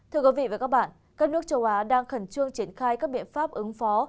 thưa quý vị và các bạn các nước châu á đang khẩn trương triển khai các biện pháp ứng phó